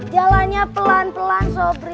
jalannya pelan pelan sobri